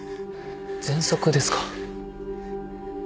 ぜんそくですか？